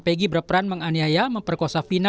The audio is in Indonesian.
pegi berperan menganiaya memperkosa vina